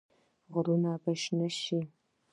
غرونه به شنه شي؟